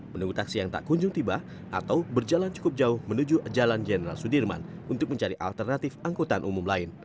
menunggu taksi yang tak kunjung tiba atau berjalan cukup jauh menuju jalan jenderal sudirman untuk mencari alternatif angkutan umum lain